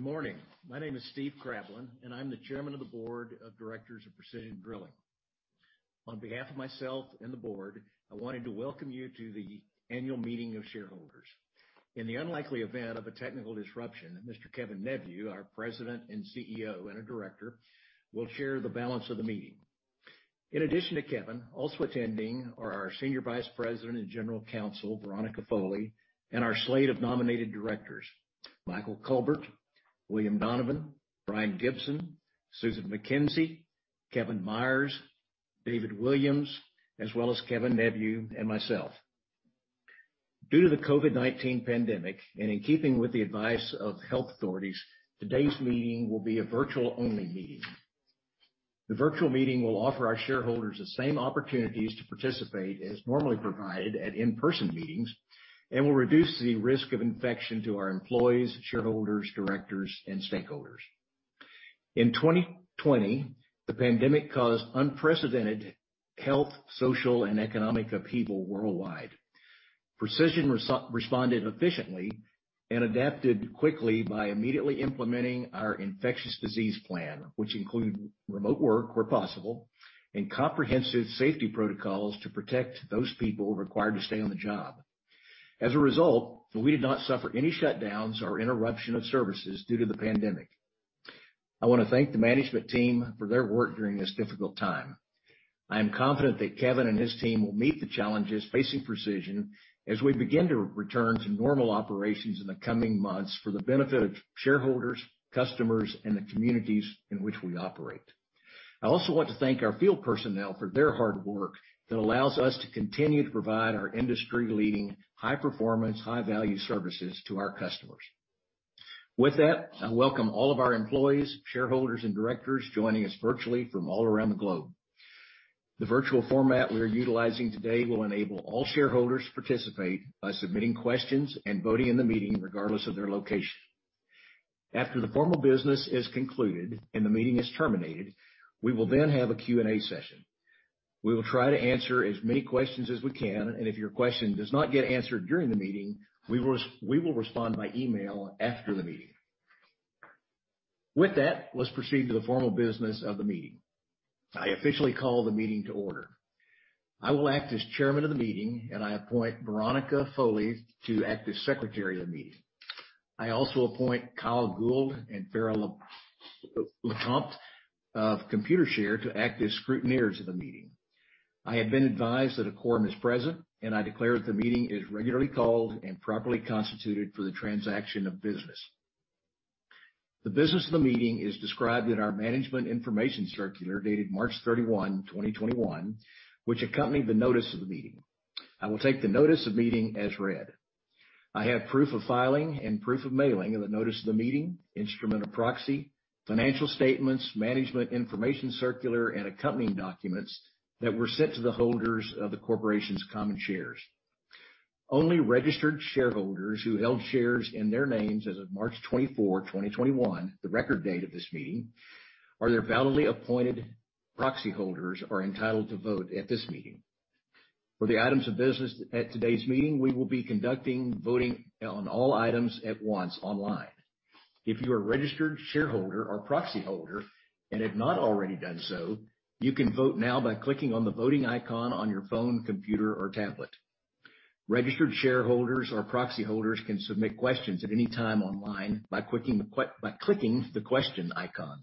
Good morning. My name is Steven Krablin, and I'm the Chairman of the Board of Directors of Precision Drilling. On behalf of myself and the Board, I wanted to welcome you to the annual meeting of shareholders. In the unlikely event of a technical disruption, Mr. Kevin A. Neveu, our President and CEO, and a Director, will chair the balance of the meeting. In addition to Kevin, also attending are our Senior Vice President and General Counsel, Veronica H. Foley, and our slate of nominated Directors, Michael R. Culbert, William T. Donovan, Brian J. Gibson, Susan M. MacKenzie, Kevin O. Meyers, David W. Williams, as well as Kevin A. Neveu and myself. Due to the COVID-19 pandemic and in keeping with the advice of health authorities, today's meeting will be a virtual-only meeting. The virtual meeting will offer our shareholders the same opportunities to participate as normally provided at in-person meetings and will reduce the risk of infection to our employees, shareholders, directors, and stakeholders. In 2020, the pandemic caused unprecedented health, social, and economic upheaval worldwide. Precision responded efficiently and adapted quickly by immediately implementing our infectious disease plan, which included remote work where possible, and comprehensive safety protocols to protect those people required to stay on the job. As a result, we did not suffer any shutdowns or interruption of services due to the pandemic. I want to thank the management team for their work during this difficult time. I am confident that Kevin and his team will meet the challenges facing Precision as we begin to return to normal operations in the coming months for the benefit of shareholders, customers, and the communities in which we operate. I also want to thank our field personnel for their hard work that allows us to continue to provide our industry-leading, high-performance, high-value services to our customers. With that, I welcome all of our employees, shareholders, and directors joining us virtually from all around the globe. The virtual format we are utilizing today will enable all shareholders to participate by submitting questions and voting in the meeting, regardless of their location. After the formal business is concluded and the meeting is terminated, we will then have a Q&A session. We will try to answer as many questions as we can, and if your question does not get answered during the meeting, we will respond by email after the meeting. With that, let's proceed to the formal business of the meeting. I officially call the meeting to order. I will act as chairman of the meeting, and I appoint Veronica Foley to act as secretary of the meeting. I also appoint Kyle Gould and Farrell Lecompte of Computershare to act as scrutineers of the meeting. I have been advised that a quorum is present, and I declare that the meeting is regularly called and properly constituted for the transaction of business. The business of the meeting is described in our Management Information Circular dated March 31, 2021, which accompanied the notice of the meeting. I will take the notice of meeting as read. I have proof of filing and proof of mailing of the notice of the meeting, instrument of proxy, financial statements, Management Information Circular, and accompanying documents that were sent to the holders of the corporation's common shares. Only registered shareholders who held shares in their names as of March 24, 2021, the record date of this meeting, or their validly appointed proxy holders, are entitled to vote at this meeting. For the items of business at today's meeting, we will be conducting voting on all items at once online. If you are a registered shareholder or proxy holder and have not already done so, you can vote now by clicking on the voting icon on your phone, computer, or tablet. Registered shareholders or proxy holders can submit questions at any time online by clicking the question icon.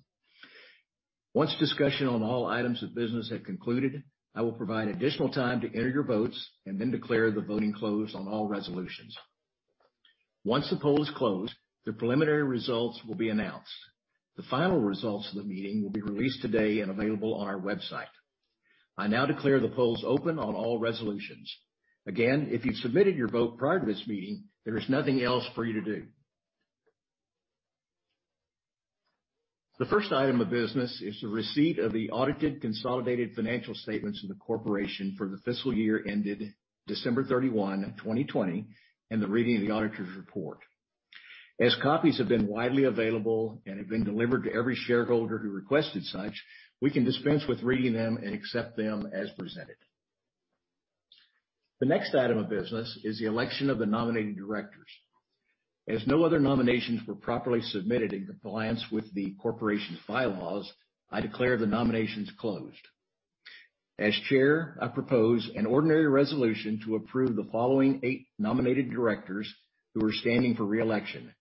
Once discussion on all items of business have concluded, I will provide additional time to enter your votes and then declare the voting closed on all resolutions. Once the poll is closed, the preliminary results will be announced. The final results of the meeting will be released today and available on our website. I now declare the polls open on all resolutions. Again, if you've submitted your vote prior to this meeting, there is nothing else for you to do. The first item of business is the receipt of the audited consolidated financial statements of the corporation for the fiscal year ended December 31, 2020, and the reading of the auditor's report. As copies have been widely available and have been delivered to every shareholder who requested such, we can dispense with reading them and accept them as presented. The next item of business is the election of the nominated directors. As no other nominations were properly submitted in compliance with the corporation's bylaws, I declare the nominations closed. As chair, I propose an ordinary resolution to approve the following eight nominated directors who are standing for re-election,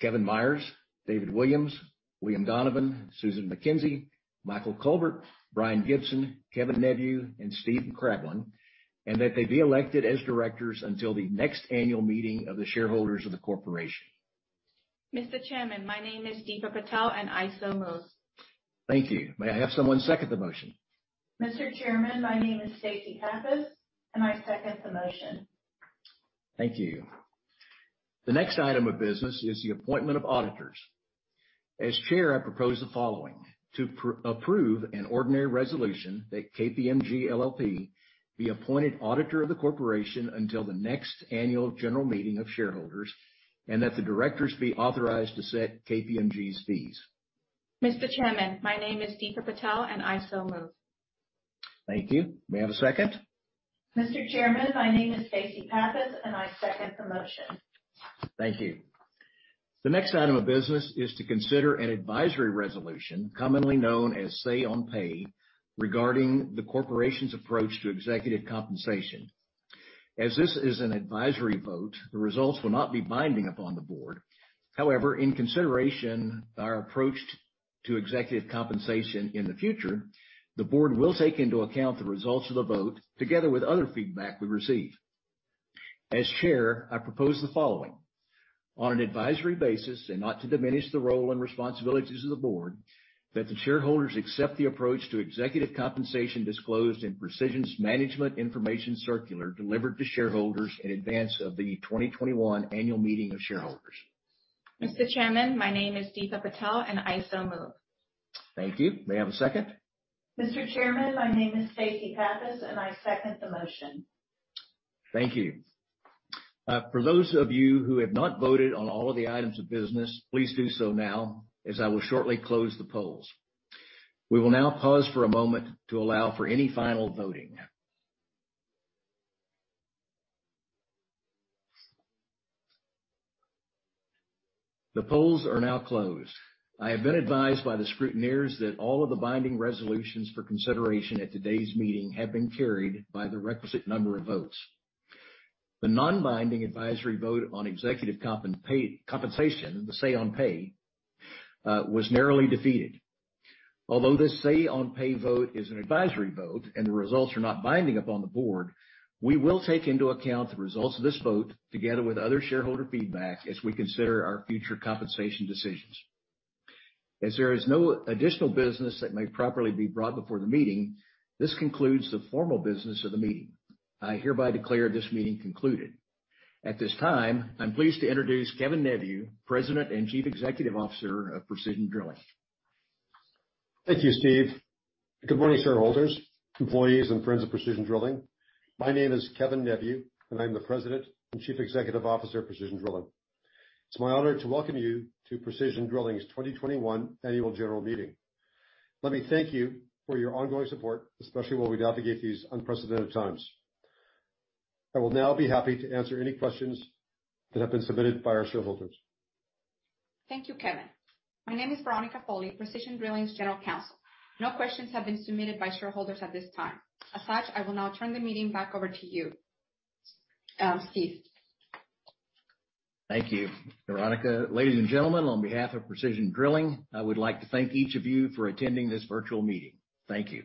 Kevin Meyers, David Williams, William Donovan, Susan MacKenzie, Michael Culbert, Brian Gibson, Kevin Neveu, and Steven Krablin, and that they be elected as directors until the next annual meeting of the shareholders of the corporation. Mr. Chairman, my name is Deepa Patel. I so move. Thank you. May I have someone second the motion? Mr. Chairman, my name is Stacy Pappas, and I second the motion. Thank you. The next item of business is the appointment of auditors. As chair, I propose the following: to approve an ordinary resolution that KPMG LLP be appointed auditor of the corporation until the next annual general meeting of shareholders and that the directors be authorized to set KPMG's fees. Mr. Chairman, my name is Deepa Patel, and I so move Thank you. May I have a second? Mr. Chairman, my name is Stacy Pappas, and I second the motion. Thank you. The next item of business is to consider an advisory resolution commonly known as say on pay regarding the corporation's approach to executive compensation. As this is an advisory vote, the results will not be binding upon the board. However, in consideration our approach to executive compensation in the future, the board will take into account the results of the vote together with other feedback we receive. As chair, I propose the following: on an advisory basis and not to diminish the role and responsibilities of the board, that the shareholders accept the approach to executive compensation disclosed in Precision's Management Information Circular delivered to shareholders in advance of the 2021 annual meeting of shareholders. Mr. Chairman, my name is Deepa Patel, and I so move. Thank you. May I have a second? Mr. Chairman, my name is Stacy Pappas, and I second the motion. Thank you. For those of you who have not voted on all of the items of business, please do so now, as I will shortly close the polls. We will now pause for a moment to allow for any final voting. The polls are now closed. I have been advised by the scrutineers that all of the binding resolutions for consideration at today's meeting have been carried by the requisite number of votes. The non-binding advisory vote on executive compensation, the say on pay, was narrowly defeated. Although the say on pay vote is an advisory vote and the results are not binding upon the board, we will take into account the results of this vote together with other shareholder feedback as we consider our future compensation decisions. As there is no additional business that may properly be brought before the meeting, this concludes the formal business of the meeting. I hereby declare this meeting concluded. At this time, I'm pleased to introduce Kevin Neveu, President and Chief Executive Officer of Precision Drilling. Thank you, Steve. Good morning, shareholders, employees, and friends of Precision Drilling. My name is Kevin Neveu, and I'm the President and Chief Executive Officer of Precision Drilling. It's my honor to welcome you to Precision Drilling's 2021 Annual General Meeting. Let me thank you for your ongoing support, especially while we navigate these unprecedented times. I will now be happy to answer any questions that have been submitted by our shareholders. Thank you, Kevin. My name is Veronica Foley, Precision Drilling's General Counsel. No questions have been submitted by shareholders at this time. I will now turn the meeting back over to you, Steven. Thank you, Veronica. Ladies and gentlemen, on behalf of Precision Drilling, I would like to thank each of you for attending this virtual meeting. Thank you.